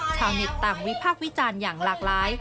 ชาวเน็ตต่างวิพากษ์วิจารณ์อย่างหลากหลาย